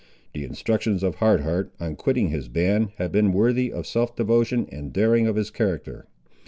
The instructions of Hard Heart, on quitting his band, had been worthy of the self devotion and daring of his character.